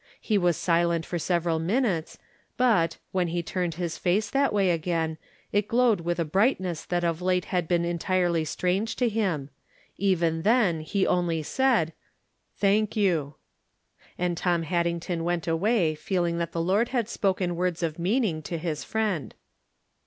He was silent for several minutes, but, when he 308 From Different Standpoints. turned Ms face tliat way again, it glo wed with a brightness that of late had been entirely strange to him ; even, then he only said :" Thank you." And Tom Haddington went away feeling that the Lord had spoken words of meaning to his friend.